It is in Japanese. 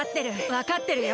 わかってるよ。